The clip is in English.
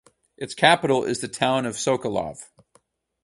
Its capital is the town of Sokolov.